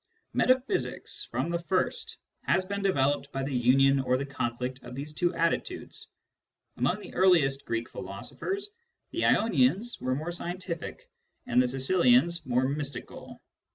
Metaphysics, from the first, has been developed by the union or the conflict of these two attitudes. Among the earliest Greek philoso phers, the lonians were more scientific and the Sicilians more mystical.